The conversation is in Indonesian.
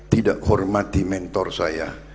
tidak hormati mentor saya